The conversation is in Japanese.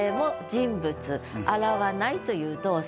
人物「洗わない」という動作